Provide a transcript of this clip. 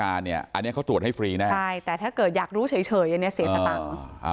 อันนี้เขาตรวจให้ฟรีแน่ใช่แต่ถ้าเกิดอยากรู้เฉยอันนี้เสียสตังค์